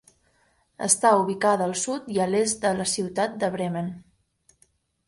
Està ubicada al sud i a l'est de la ciutat de Bremen.